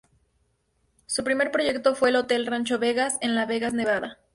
Su primer proyecto fue el hotel Rancho Vegas en Las Vegas Nevada.